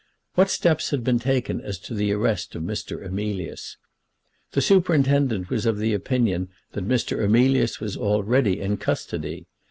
What steps had been taken as to the arrest of Mr. Emilius? The superintendent was of opinion that Mr. Emilius was already in custody.